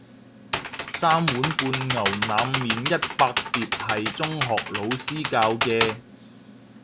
三碗半牛腩麵一百碟係中學老師教嘅